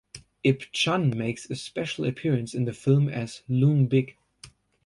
Ip Chun makes a special appearance in the film as Leung Bik.